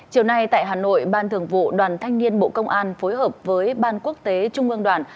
chiều nay tại hà nội ban thường vụ đoàn thanh niên bộ công an phối hợp với ban quốc tế trung ương đoàn